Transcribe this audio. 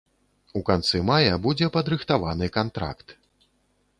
У канцы мая будзе падрыхтаваны кантракт.